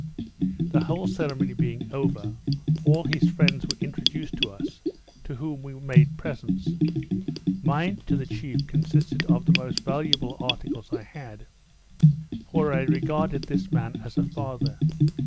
The whole ceremony being over, all his friends were introduced to us, to whom we made presents. Mine to the chief consisted of the most valuable articles I had; for I regarded this man as a father.